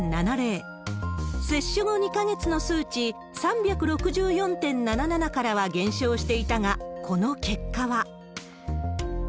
接種後２か月の数値３６４．７７からは減少していたが、この結果は。